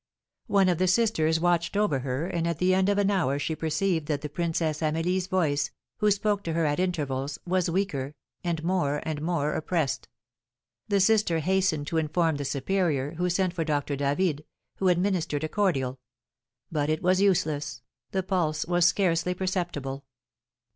One of the sisters watched over her, and at the end of an hour she perceived that the Princess Amelie's voice, who spoke to her at intervals, was weaker, and more and more oppressed. The sister hastened to inform the superior, who sent for Doctor David, who administered a cordial; but it was useless, the pulse was scarcely perceptible.